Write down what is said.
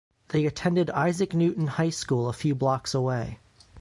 They attended Isaac Newton High School a few blocks away.